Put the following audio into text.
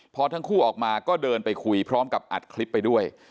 พอทั้งคู่ออกมาก็เดินไปคุยพร้อมกับอัดคลิปไปด้วย